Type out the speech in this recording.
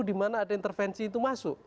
di mana ada intervensi itu masuk